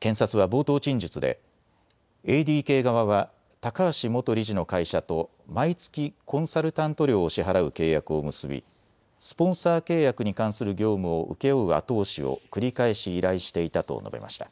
検察は冒頭陳述でＡＤＫ側は高橋元理事の会社と毎月、コンサルタント料を支払う契約を結び、スポンサー契約に関する業務を請け負う後押しを繰り返し依頼していたと述べました。